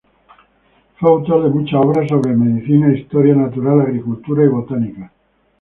Fue autor de muchas obras sobre medicina, historia natural, agricultura, y botánica.